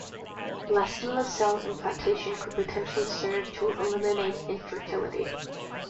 Blastula cell implantation could potentially serve to eliminate infertility.